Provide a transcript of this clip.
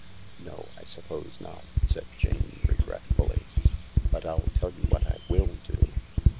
" No, I suppose not/' said Jane regretfully. "But I'll tell you what I will do."